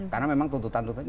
karena memang tuntutan tuntutan